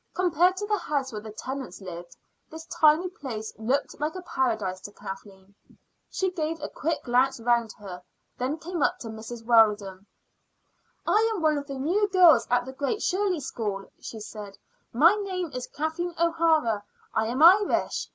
Compared to the house where the Tennants lived, this tiny place looked like a paradise to Kathleen. She gave a quick glance round her, then came up to Mrs. Weldon. "I am one of the new girls at the Great Shirley School," she said. "My name is Kathleen O'Hara. I am Irish.